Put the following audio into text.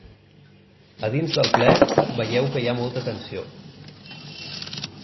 A dins del ple veieu que hi ha molta tensió.